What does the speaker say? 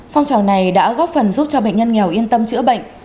phong trào này đã góp phần giúp cho bệnh nhân nghèo yên tâm chữa bệnh